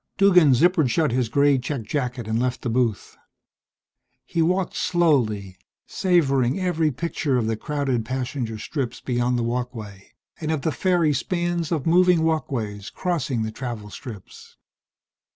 Duggan zippered shut his gray checked jacket and left the booth. He walked slowly, savoring every picture of the crowded passenger strips beyond the walkway, and of the fairy spans of moving walkways crossing the travel strips.